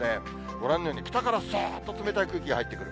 ご覧のように、北からさーっと冷たい空気が入ってくる。